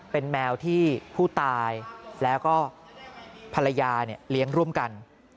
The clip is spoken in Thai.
เป็นแมวที่ผู้ตายแล้วก็ภรรยาเลี้ยงร่วมกัน